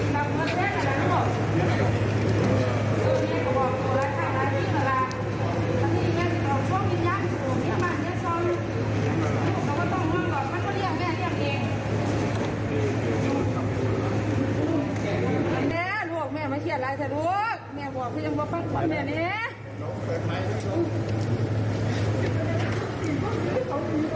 เกลียดอะไรสะดวกเนี่ยบอกเขายังบอกบ้างกว่าเนี่ยเนี่ย